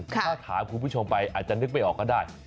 ถ้าถามคุณผู้ชมไปอาจจะนึกไม่ออกก็ได้